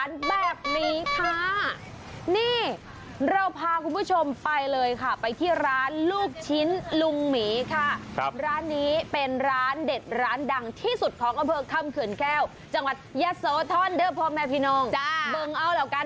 จ้วงจากไหนตอบอันนี้เอ้าเข้าปากนี่แหละค่ะ